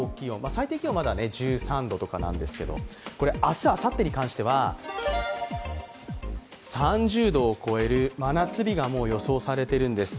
最低気温はまだ１３度とかなんですけど、明日、あさってに関しては３０度を超える真夏日が予想されているんです。